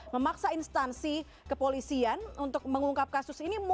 memaksa instansi kepolisian untuk mengungkap kasus ini